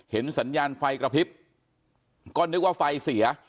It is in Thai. สัญญาณไฟกระพริบก็นึกว่าไฟเสีย